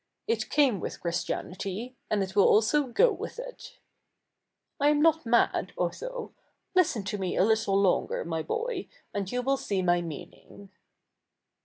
It came with Christia7iity, and it will also go with if. ' I am not mad, Otho. listen to me a little longer, my boy, and you will see jny meaning.